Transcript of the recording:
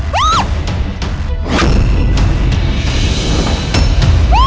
ya allah andin